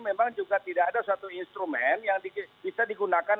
memang juga tidak ada suatu instrumen yang bisa digunakan